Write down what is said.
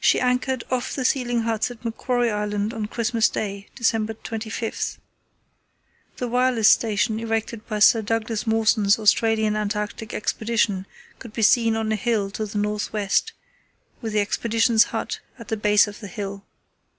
She anchored off the sealing huts at Macquarie Island on Christmas Day, December 25. The wireless station erected by Sir Douglas Mawson's Australian Antarctic Expedition could be seen on a hill to the north west with the Expedition's hut at the base of the hill.